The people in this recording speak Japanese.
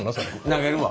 投げるわ！